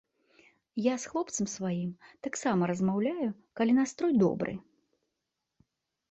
Я з хлопцам сваім таксама размаўляю, калі настрой добры.